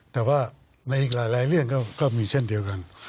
แต่ว่าในอีกหลายเรื่องก็มีเช่นเดียวกัน